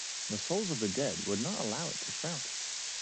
The souls of the dead would not allow it to sprout.